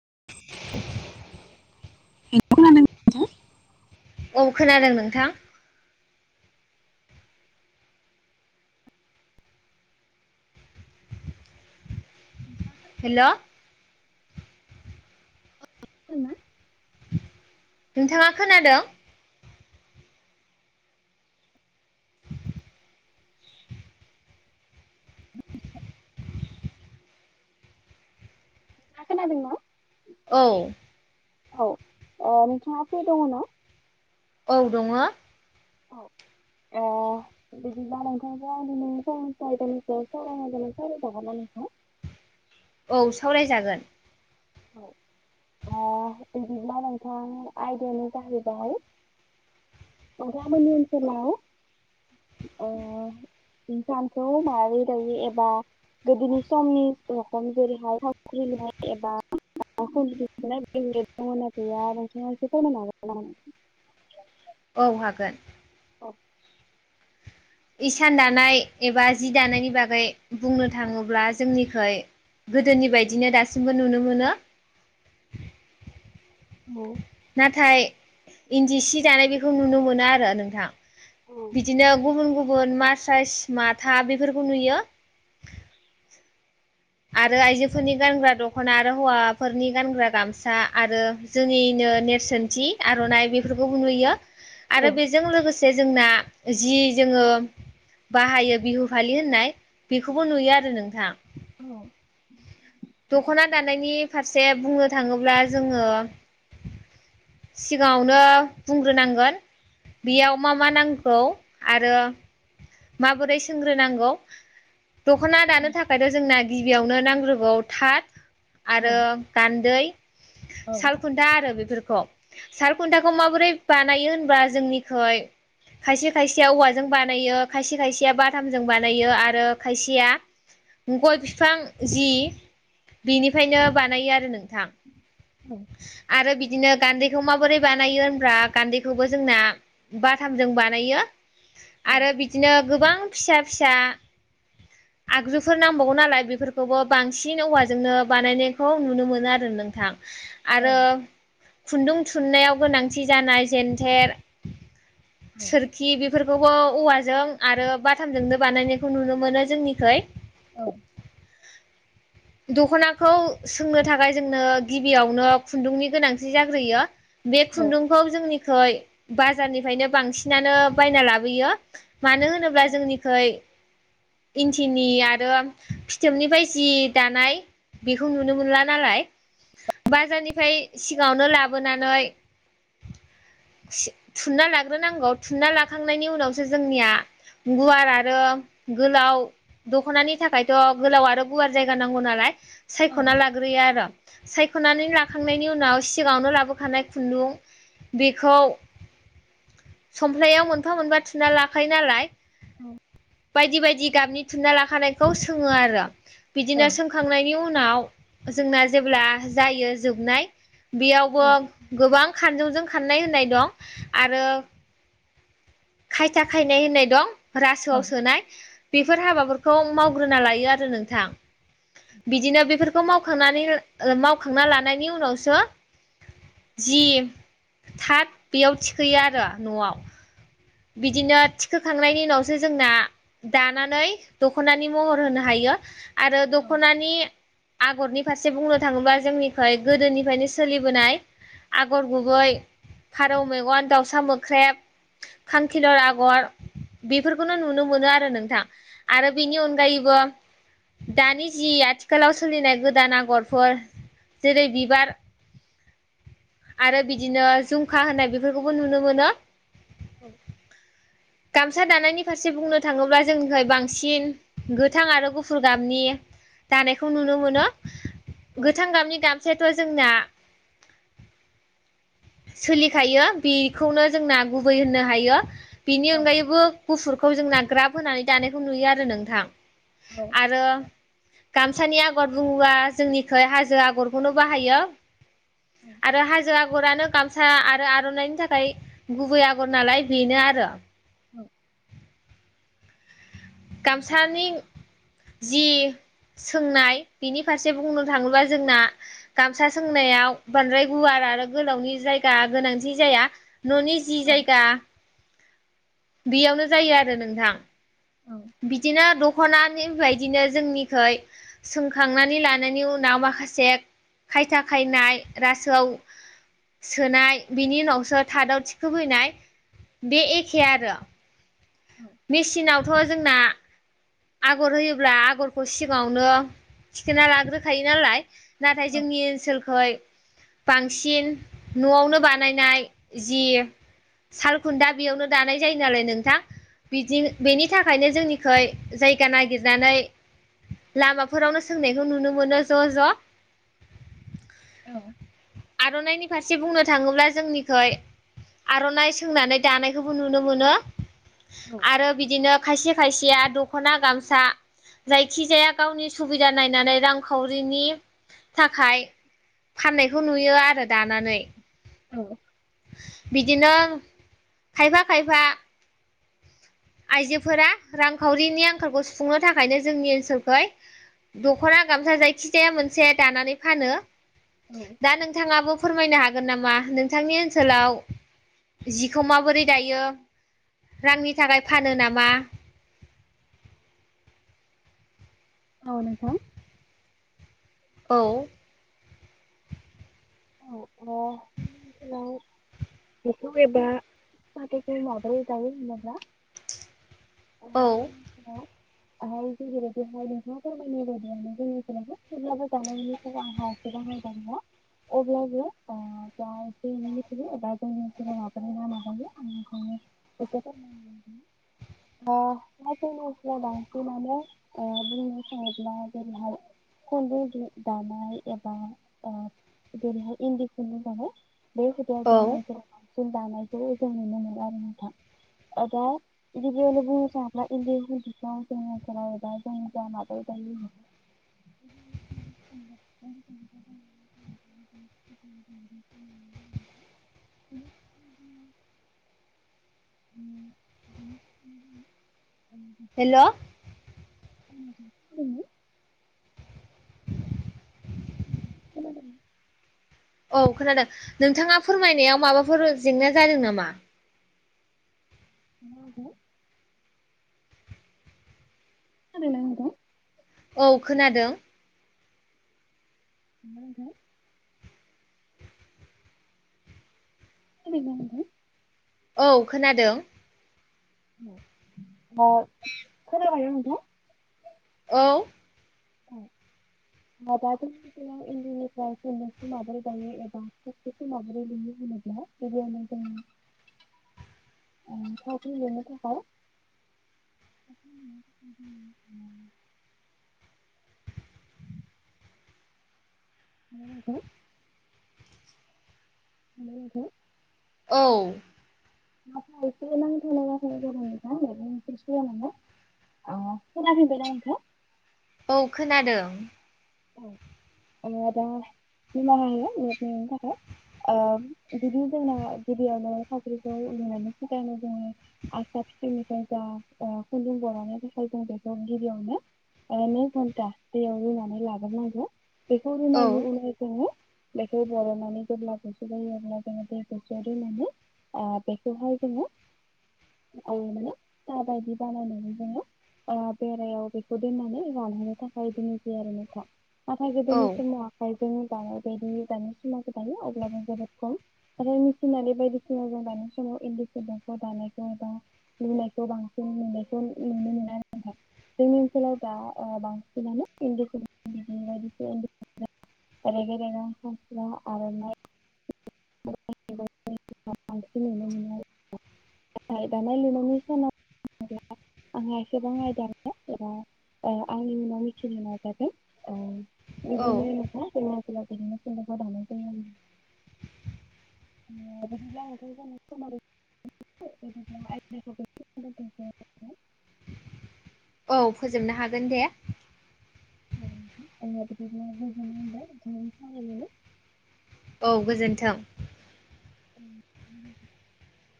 [inaudible] अ खोनादों नोंथां। हेल' [unintelligible] नोंथाङा खोनादों नोंथांआ खोनादोंना? औ औ अ नोंथाङा फ्रि दङ' ना? औ दङ' ओम बिदिबा नोंथांजों आङो दिनै फंनैसो आयदानि सायाव सावरारनो नायदों सावराय जागोन्ना नोंथां? [inaudible] औ सावरायजागोन। औ। ओ बिदिब्ला नोंथां आयदायानो जाहैबाय नोंथांमोननि ओनसोलाव ओ इसानखौ माबोरै दायो एबा गोदोनि समनि रखम जेरैहाय थावख्रि लुनाय एबा [unintelligible] नोंथांआ एसे फोरमायनो हा गोन नामा [inaudible] औ हागोन अ इसान दानाय एबा जि दानायनि बागै बुंनो थाङोब्ला जोंनि फ्राय गोदोनि बायदिनो दासिमबो नुनो मोनो [inaudible] नाथाय इन्दि सि दानाय बेखौ नुनो मोनो आरो नोंथां बिदिनो गुबुन गुबु- न मासायस माथा बेफोरखौ नुयो आरो आइजोफोरनि गानग्रा दख'ना आरो हौवाफोरनि गानग्रा गामसा आरो जोंनि ओ नेरसोनथि आर'नाइ बेफोरखौबो नुयो आरो बेजों लोगोसे जोंना जि जोङो बाहायो बिहु फालि होननाय बेखौबो नुयो आरो नोंथां औ दख'ना दानायनि फारसे बुङो थाङोब्ला जोङो सिगाङावनो बुंग्रोनांगोन बेयाव मा मा नांग गौ आरो माबोरै सोंग्रोनांगौ दख'ना दानो थाखायथ' जोंना गिबियावनो नांग्रोगाव थाद आरो गान्दै, औ सालखुन्था आरो बेफोरखौ साल खुन्थाखौ माबोरै बानायो होनबा जोंनिखै खायसे- खायसेया औवाजों बानायो खायसे - खायसेया बाथामजों बानायो आरो खायसेया गय बिफां जि बिनिफ्रायनो बानायो आरो नोंथां आरो बिदिनो गान्धै- खौ माबोरै बानायो होब्रा गान्दैखौबो जोंना बाथामजों बानायो आरो बिदिनो गोबां फिसा- फिसा [inaudible] आगजुफोर नांबावगौ नालाय बेफोरखौबो बांसिन औवाजोंनो बानायनायखौ नुनो मोनो आरो नोंथां आरो खुन्दुं थुननायाव गोनांथि जानाय जेेनथेर सोरखि बेफोरखौबो औवाजों आरो बाथामजोंनो बानायनायखौ नुनो मोनो जोंनिखै औ दखनाखौ सोंनो थाखाय जोंनो गिबियावनो खुन्दुंनि गोनांथि जा- ग्रोयो बे खुन्दुंखौ जोंनि- खै बाजारनिफ्रायनो बांसिनानो बायना लाबोयो मानो होनोब्ला जोंनिखै इन्थिनि आरो फिथोबनिफ्राय जि दानाय बेखौ नुनो मोनला नालाय बाजारनिफ्राय सिगांआवनो लाबोनानै थुनना लाग्रोनांगौ थुनना लाखांनायनि उनावसो जोंनिया गुवार आरो गोलाव दख'नानि थाखायथ' गोलाव आरो गुवार जायगा नांगौ नालाय सायख'ना लाग्रोयो आरो साय' ख'नानै लाखांनायनि उनाव सिगाङावनो लाबोखानाय खुन्दुं बेखौ समल्फायाव मोनफा मोनबा थुना लाखायो नालाय औ बायदि बायदि गाबनि थुनना लाखानायखौ सोङो आरो बिदिनो सोंखांनायनि उन नाव जोंना जेब्ला जायो जोबनाय बेयावबो गोबां खानजं'जों खाननाय होननाय दं आरो खायथा खायनाय होननाय दं रासोआव सोनाय बेफोर हाबाफोरखौ मावग्रोना लायो आरो नोंथां। बिदिनो बेफोरखौ मावखांनानै ला ओ मावखांना लानायनि उनावसो जि थाट बेयाव थिखोयो आरो न'आव। बिदिनो थिखोखांनायनि उनावसो जोंना दानानै दख'नानि महर होनो हायो। आरो दखनानि आगरनि फारसे बुंनो थाङोबा जोंनिखै गोदोनिफ्रायनो सोलिबोनाय आगर गुबै फारौ मेगन, दाउसा मोख्रेब खांखिलर आगर बेफोरखौनो नुनो मोनो आरो नोंथां। आरो बेनि अनगायैबो दानि जि आथिखालाव सोलिनाय गोदान आगरफोर जेरै बिबार [inaudible] आरो बिदिनो जुमखा होननाय बेफोरखौबो नुनो मोनो। गामसा दानायनि फारसे बुंनो थाङोब्ला जोंनिफ्राय बांसिन गोथां आरो गुफुर गाबनि दानायखौ नुनो मोनो। गोथां गाबनि गामसायाथ' जोंना सोलिखायो बेखौनो जोंना गुबै होननो हायो। बेनि अनगायैबो गुफुरखौ जोंना ग्राब होनानै दानायखौ नुयो आरो नोंथां। आरो गामसानि आगर बुङोबा जोंनिखै हाजो आगरखौनो बाहायो। आरो हाजो आगरानो गामसा आरो आर'नाइनि थाखाय गुबै आगर नालाय बेनो आरो औ गामसानि जि सोंनाय बिनि फारसे बुंनो थाङोब्ला जोंना गामसा सोंनायाव बांद्राय गुवार आरो गोलावनि जायगा गोनांथि जाया न'नि जि जायगा बेयावनो जायो आरो नोंथां। बिदिनो दख'नानि बायदिनो जोंनिखै सोंखांनानै लानायनि उनाव माखासे खायथा खायनाय रासोआव सोनाय बिनि उनावसो थादाव थिखोबोनाय बे एखे खे आरो मेसिनावथ' जोंना आगर होयोब्ला आगरखौ सिगाङावनो थिखोना लाग्रोखायो नालाय। नाथाय जोंनि ओनसोलखै बांसिन न'आवनो बानायनाय जि सालखुन्दा बेयावनो दानाय जायो नालाय नोंथां। बिदि बेनि थाखायनो जोंनिखै जायगा नागिरनानै लामाफोरावनो सोंनायखौ नुनो मोनो ज' ज' औे आर'नाइनि फारसे बुंनो थाङोब्ला जोंनिखै आर'नाइ सोंनानै दानायखौबो नुनो मोनो। आरो बिदिनो खायसे खायसेया दख खना गामसा जायखिजाया गावनि सुबिदा नायनानै रांखावरिनि थाखाय फाननायखौ नुयो आरो दानानै औ बिदिनो खायफा खायफा आइजोफोरा रांखावरिनि आंखालखौ सुफुंनो थाखायनो जोंनि ओनसोलखै दख'ना गामसा जायखिजाया मोनसे दानानै फानो। दा नोंथाङाबो फोरमायनो हागोन नामा नोंथांनि ओनसोलाव जिखौ माबोरै दायो रांनि थाखाय फानो नामा औ नोंथां औ औ ओ जोंनि ओनसोलाव [unintelligible] [unintelligible] औ [unintelligible] अब्लाबो ओ जा एसे एनै मिथिगौ [unintelligible] [unintelligible] बांसिनानो बुंनो सानोब्ला [unintelligible] दानाय एबा ओ जेरैहाय इन्दि खुन्दुं दानाय बे हुदायाव औ जोङो जों दानायखौ जों नुनो मोनो आरो नोंथां ओ दा गिबियावनो‌ बुंनो थांब्ला [unintelligible] [unintelligible] [inaudible] हेल' [unintelligible] उम [unintelligible] औ खोनादों नोंथाङा फोरमायनायाव माबाफोर जेंना जादों नामा [unintelligible] खोनादों ना आदा औ खोनादों [unintelligible] [unintelligible] औ खोनादों अ खोनबायायना नोंथां औ [unintelligible] [unintelligible] [unintelligible] [unintelligible] [unintelligible] हो म [unintelligible] औ [unintelligible] [unintelligible] औ खोनादों औ दा निमाह हो [unintelligible] थाखाय ओ बिदिनो जोङो गिबियावनो साख्रिखौ [unintelligible] थाखायनो जोङो [unintelligible] नै घन्टा दैयाव रुनानै लाग्रोनांगौ बेखौ औ रुनाय लोगो लोगो बेखो बरननानै जेब्ला गुसु जायो अब्ला [unintelligible] ओ बेखौहाय जोङो म [unintelligible] दाबायदि बानायनानै जोङो ओ बेरायाव बेखौ दोननानै रानहैनो थाखाय दोननाय जायो आरो नोंथां नाथाय औ गोदोनि समाव आखाइजों दानाय बायदि दानाय समा गोदान अब्लाबो जोबोद खम आरो मिसिनारि बायदिसिना जों दानाय समाव इन्दि खुन्दुंखौ दानायखौ एबा लुनायखौ बांसिन नुनायखौ नुनो मोना [unintelligible] जोंनि ओनसलाव जा ओ बांसिनानो इन्दि [unintelligible] [unintelligible] रेग रेगां फास्रा आर'नाइ [unintelligible] नुनो मोनो आरो [unintelligible] [unintelligible] आंहा एसेबां आयदा गैया एबा आंनि उनाव मिथिनो नाजादो। औ बिदिनोला बिदिनो दानाय जायो। [unintelligible] [unintelligible] औ फोजोबनो हागोन दे। [unintelligible] औ गोजोन्थों। [unintelligible]